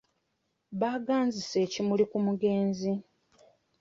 Baaganzise ekimuli ku mugenzi.